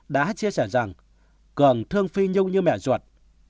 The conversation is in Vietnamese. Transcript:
đã chia sẻ rằng cường thương phi nhung như mẹ ruột